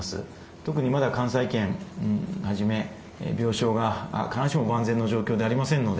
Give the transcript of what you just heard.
特にまだ関西圏はじめ、病床が必ずしも万全の状況じゃありませんので。